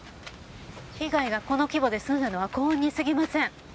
被害がこの規模で済んだのは幸運にすぎません。